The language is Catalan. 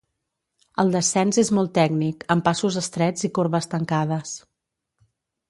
El descens és molt tècnic, amb passos estrets i corbes tancades.